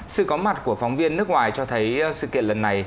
sự có mặt của phóng viên nước ngoài cho thấy sự kiện lần này